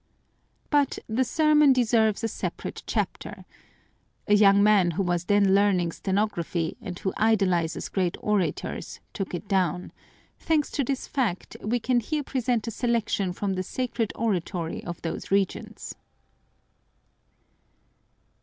But the sermon deserves a separate chapter. A young man who was then learning stenography and who idolizes great orators, took it down; thanks to this fact, we can here present a selection from the sacred oratory of those regions.